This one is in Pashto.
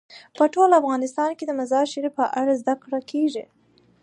په ټول افغانستان کې د مزارشریف په اړه زده کړه کېږي.